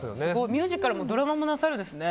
ミュージカルもドラマもなさるんですね。